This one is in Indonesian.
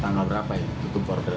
tanggal berapa itu tutup order